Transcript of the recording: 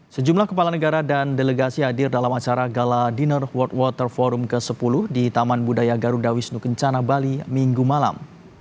sejumlah kepala negara dan delegasi hadir dalam acara gala dinner world water forum ke sepuluh di taman budaya garuda wisnu kencana bali minggu malam